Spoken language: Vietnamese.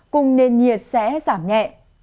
cùng nền nhiệt sẽ giảm nhẹ